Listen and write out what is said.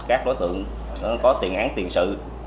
các đối tượng có tiền án tiền sự